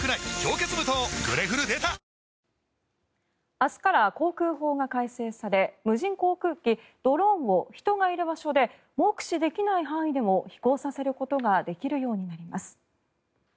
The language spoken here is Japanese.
明日から航空法が改正され無人航空機、ドローンを人がいる場所で目視できない範囲でも飛行させることができるようになります。